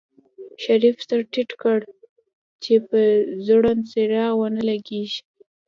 شريف سر ټيټ کړ چې په ځوړند څراغ ونه لګېږي.